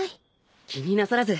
気になさらず。